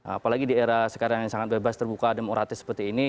apalagi di era sekarang yang sangat bebas terbuka demokratis seperti ini